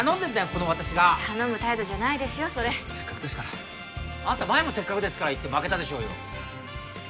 この私が頼む態度じゃないですよそれせっかくですからあんた前も「せっかくですから」言って負けたでしょうよ